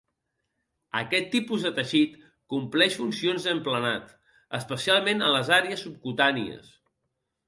Aquest tipus de teixit compleix funcions d'emplenat, especialment en les àrees subcutànies.